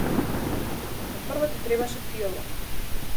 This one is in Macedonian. Но прво ти требаше пијалок.